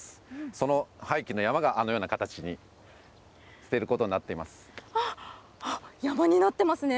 その廃棄の山があのような形に、あっ、山になってますね。